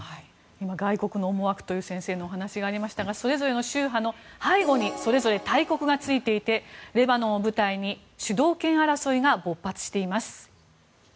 外国の思惑という先生のお話がありましたがそれぞれの宗派の背後にそれぞれ大国がついていてレバノンを舞台に主導権争いが勃発しています。